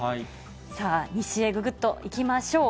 さあ、西へぐぐっといきましょう。